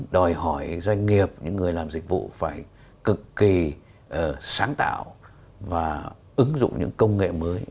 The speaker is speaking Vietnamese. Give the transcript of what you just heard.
đòi hỏi doanh nghiệp những người làm dịch vụ phải cực kỳ sáng tạo và ứng dụng những công nghệ mới